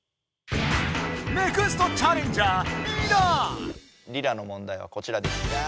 ネクストチャレンジャーリラのもんだいはこちらです。